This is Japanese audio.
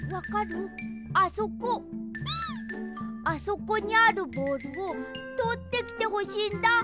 あそこにあるボールをとってきてほしいんだ！